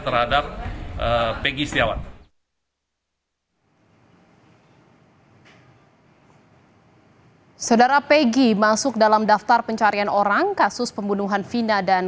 terhadap pegi setiawan saudara peggy masuk dalam daftar pencarian orang kasus pembunuhan vina dan